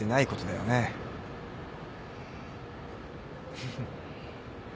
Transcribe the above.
フフッ。